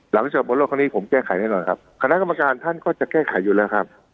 หลังจากบนโลกครั้งนี้ผมแก้ไขแน่นอนครับคณะกรรมการท่านก็จะแก้ไขอยู่แล้วครับ